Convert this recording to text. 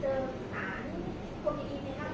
แต่ว่าไม่มีปรากฏว่าถ้าเกิดคนให้ยาที่๓๑